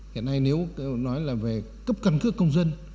hiện nay nếu nói là về cấp căn cước công dân